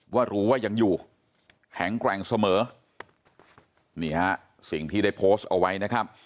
ว่ารู้ว่ายังอยู่แข็งแกร่งเสมอนี่ฮะสิ่งที่ได้โพสต์เอาไว้นะครับ